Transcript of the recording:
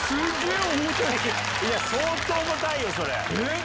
相当重たいよそれ。